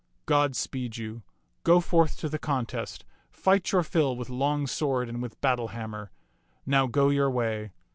God speed you. Go forth to the contest. Fight your fill with long sword and with battle hammer. Now go your way.